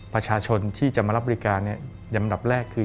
ประชาชนที่จะมารับบริการลำดับแรกคือ